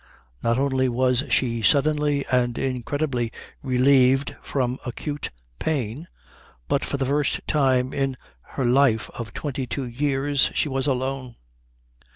Not only was she suddenly and incredibly relieved from acute pain, but for the first time in her life of twenty two years she was alone.